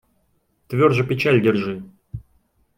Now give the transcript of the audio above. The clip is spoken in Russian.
Тверже печаль держи.